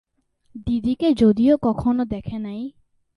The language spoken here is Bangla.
দিদিকে যদিও কখনও দেখে নাই।